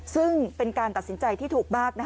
ซึ่งเป็นการตัดสินใจที่ถูกมาก